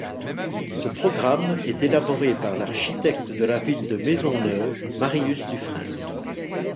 Ce programme est élaboré par l'architecte de la Ville de Maisonneuve, Marius Dufresne.